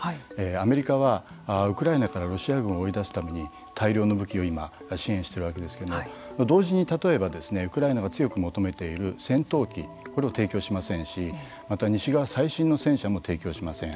アメリカはウクライナからロシア軍を追い出すために大量の武器を今支援しているわけですけれども同時に例えばウクライナが強く求めている戦闘機これを提供しませんしまた西側最新の戦車も提供しません。